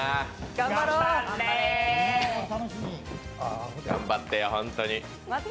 頑張れ。頑張って、本当に。